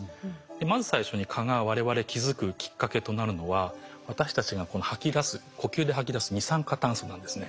まず最初に蚊が我々気付くきっかけとなるのは私たちが吐き出す呼吸で吐き出す二酸化炭素なんですね。